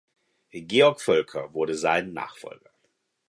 Georg Völker wurde sein Nachfolger.